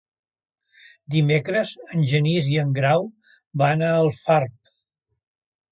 Dimecres en Genís i en Grau van a Alfarb.